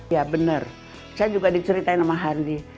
ya benar saya juga diceritain sama handi